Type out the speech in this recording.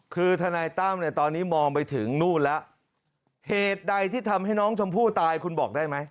คือทนายตั้มเนี่ยตอนนี้มองไปถึงนู่นแล้วเหตุใดที่ทำให้น้องชมพู่ตายคุณบอกได้ไหม